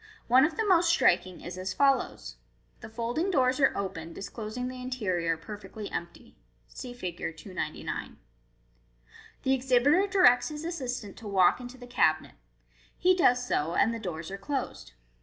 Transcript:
One of the most striking is as follows :— The folding doors are opened, disclosing the interior perfectly empty. (See Fig. 299.) The exhibitor directs his assistant to walk into the cabinet. He does so, and the doors are closed.